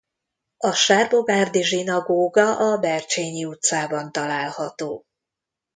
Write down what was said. A sárbogárdi zsinagóga a Bercsényi utcában található.